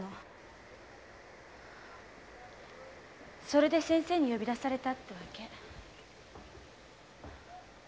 それで先生に呼び出されたってわけ。